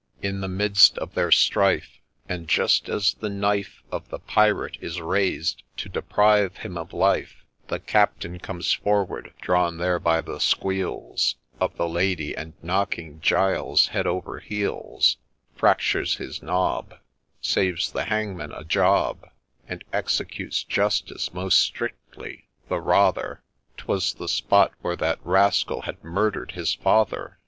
In the midst of their strife, And just as the knife Of the Pirate is raised to deprive him of life, The Captain comes forward, drawn there by the squeals Of the Lady, and, knocking Giles head over heels, Fractures his ' nob,' Saves the hangman a job, And executes justice most strictly, the rather, "fwas the spot where that rascal had murder'd his father.